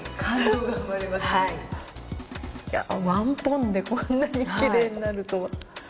１ポンでこんなにきれいになるとは。